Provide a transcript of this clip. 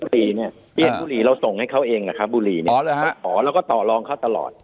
บุหรี่เนี่ยเราส่งให้เขาเองนะครับบุหรี่เนี่ยเราก็ต่อลองเขาตลอด